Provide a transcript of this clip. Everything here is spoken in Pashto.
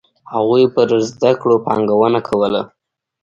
هغوی پر زده کړو پانګونه کوله.